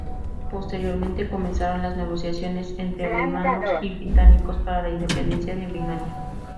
Posteriormente, comenzaron las negociaciones entre birmanos y británicos para la independencia de Birmania.